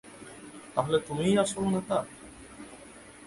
তাহলে তুমিই আসল নেতা?